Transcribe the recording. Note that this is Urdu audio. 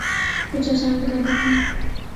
کو چار چاند لگا دیتے ہیں